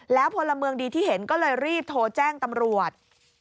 แล้วพลเมืองดีที่เห็นก็เลยรีบโทรแจ้งตำรวจ